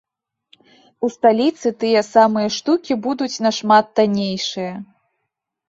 У сталіцы тыя самыя штукі будуць нашмат таннейшыя.